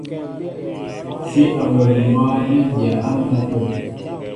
Sí awɛm mwǎ bí dya á ndápə̂.